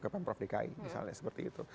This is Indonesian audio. ke pemprov dki misalnya seperti itu